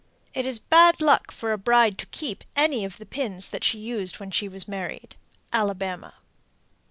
It is bad luck for a bride to keep any of the pins that she used when she was married. _Alabama.